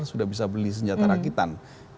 sudah bisa beli senjata rakitan